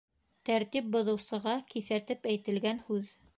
Тәртип боҙоусыға киҫәтеп әйтелгән һүҙ.